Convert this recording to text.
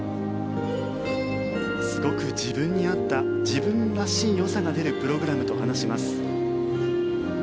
すごく自分に合った自分らしいよさが出るプログラムと話します。